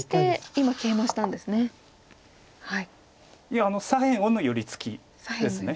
いや左辺の寄り付きです。